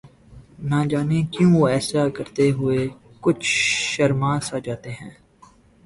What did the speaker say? نہ جانے کیوں وہ ایسا کرتے ہوئے کچھ شرماسا جاتے ہیں